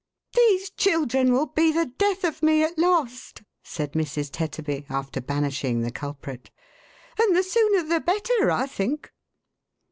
"These children will be the death of me at last!" said Mrs. Tetterbv, after banishing the culprit. " And the sooner the better, I think."